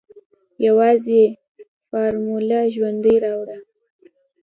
يوازې فارموله ژوندۍ راوړه.